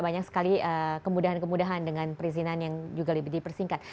banyak sekali kemudahan kemudahan dengan perizinan yang juga lebih dipersingkat